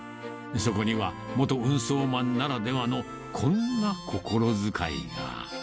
そこには元運送マンならではのこんな心遣いが。